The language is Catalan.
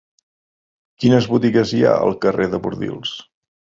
Quines botigues hi ha al carrer de Bordils?